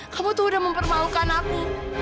kamu tuh udah mempermalukan aku